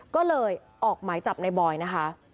ก็เลยออกหมายจับในบอยนะคะ